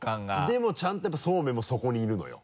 でもちゃんとやっぱそうめんもそこにいるのよ。